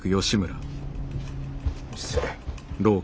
失礼。